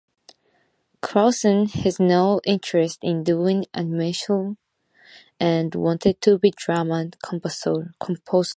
Clausen "had no interest in doing animation" and "wanted to be a "drama" composer.